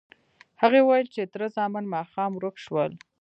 هغه وویل چې تره زامن ماښام ورک شول.